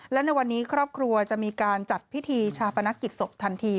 และในวันนี้ครอบครัวจะมีการจัดพิธีชาปนกิจศพทันที